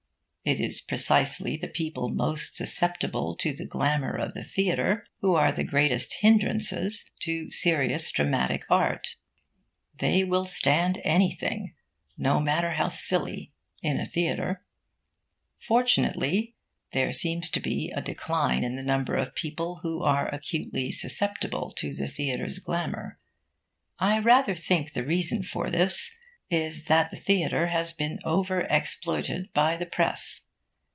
It is precisely the people most susceptible to the glamour of the theatre who are the greatest hindrances to serious dramatic art. They will stand anything, no matter how silly, in a theatre. Fortunately, there seems to be a decline in the number of people who are acutely susceptible to the theatre's glamour. I rather think the reason for this is that the theatre has been over exploited by the press.